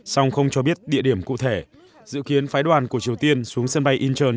song không cho biết địa điểm cụ thể dự kiến phái đoàn của triều tiên xuống sân bay incheon